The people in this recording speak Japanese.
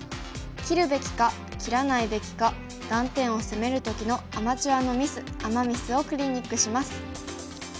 切るべきか切らないべきか断点を攻める時のアマチュアのミスアマ・ミスをクリニックします。